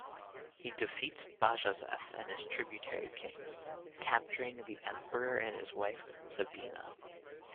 He defeats Bajazeth and his tributary kings, capturing the emperor and his wife Zabina.